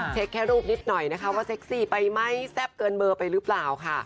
แค่รูปนิดหน่อยนะคะว่าเซ็กซี่ไปไหมแซ่บเกินเบอร์ไปหรือเปล่าค่ะ